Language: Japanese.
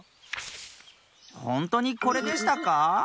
ほんとにこれでしたか？